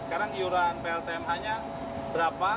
sekarang iuran pltma nya berapa